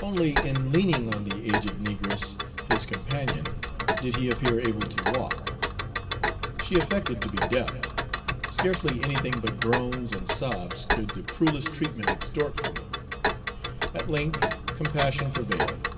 Only in leaning on the aged negress, his companion, did he appear able to walk. She affected to be deaf. Scarcely anything but groans and sobs could the cruellest treatment extort from them. At length, compassion prevailed.